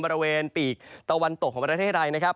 บริเวณปีกตะวันตกของประเทศไทยนะครับ